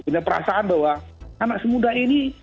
punya perasaan bahwa anak semudah ini